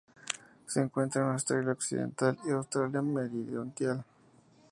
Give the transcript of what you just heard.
Se encuentra en Australia Occidental y Australia Meridional.